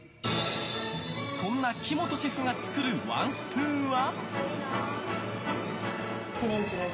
そんな木本シェフが作るワンスプーンは？